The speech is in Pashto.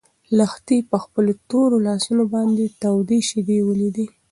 لښتې په خپلو تورو لاسو باندې تودې شيدې ولیدې.